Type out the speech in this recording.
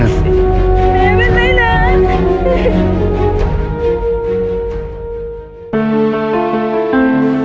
แม่ไม่ได้นาน